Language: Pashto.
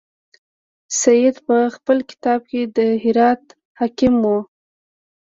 سید په خپل کتاب کې د هرات حاکم.